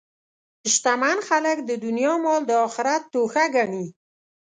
شتمن خلک د دنیا مال د آخرت توښه ګڼي.